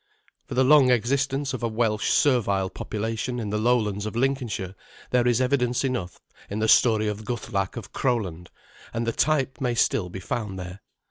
For the long existence of a Welsh servile population in the lowlands of Lincolnshire there is evidence enough in the story of Guthlac of Crowland, and the type may still be found there.